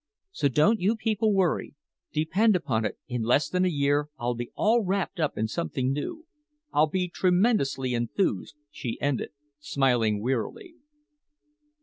So don't you people worry. Depend upon it, in less than a year I'll be all wrapped up in something new. I'll be tremendously enthused," she ended, smiling wearily.